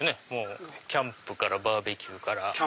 キャンプからバーベキューから。